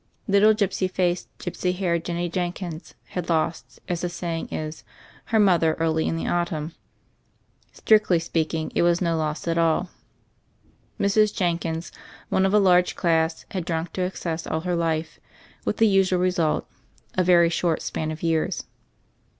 Little gypsy faced, gypsy haired Jenny Jenkins had lost, as the saying is, her mother early in the autumn. Strictly speaking, it was no loss at all. Mrs. Jenkins, one of a large class, had drunk to excess all her life, with the usual re sult — a very short span of years.